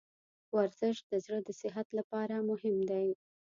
ورزش د زړه د صحت لپاره مهم دی.